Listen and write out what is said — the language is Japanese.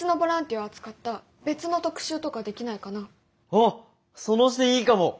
おっその視点いいかも！